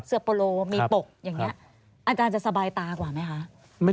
โปโลมีปกอย่างนี้อาจารย์จะสบายตากว่าไหมคะ